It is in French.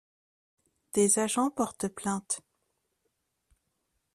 Des agents portent plainte.